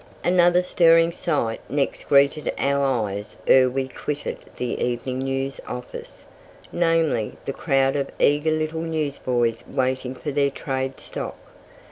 Another stirring sight next greeted our eyes ere we quitted the "Evening News" office, namely, the crowd of eager little newsboys waiting for their trade stock.